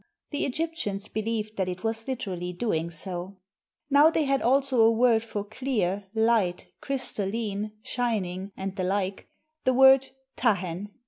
The Egyptians believed that it was literally doing so. Now, they had also a word for "clear," "light," "crystalline," "shining," and the like — the word *y\ h 0 taken.